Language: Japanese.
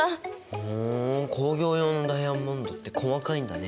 ふん工業用のダイヤモンドって細かいんだね。